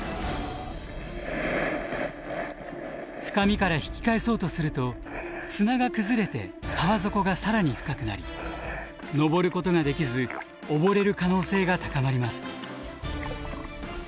深みから引き返そうとすると砂が崩れて川底が更に深くなり上ることができず溺れる可能性が高まります。